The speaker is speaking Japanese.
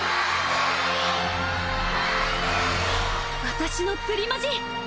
私のプリマジ！